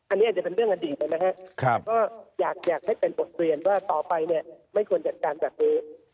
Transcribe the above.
อันนี้อาจจะเป็นเรื่องอดีตใช่ไหมฮะก็อยากให้เป็นบทเรียนว่าต่อไปเนี่ยไม่ควรจัดการแบบนี้